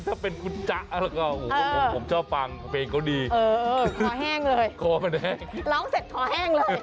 คอมันแห้งเลยร้องเสร็จคอมันแห้งเลยคอมันแห้ง